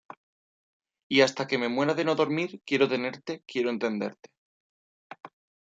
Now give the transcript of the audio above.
y hasta que me muera de no dormir, quiero tenerte, quiero entenderte.